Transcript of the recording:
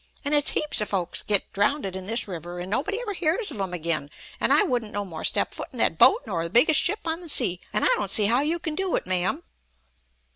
An' it's heaps o' folks git drowndid in this river, an' nobody ever hears of 'em agin; an' I wouldn't no more step foot in that boat nor the biggest ship on the sea, an' I don't see how you can do it, ma'am!"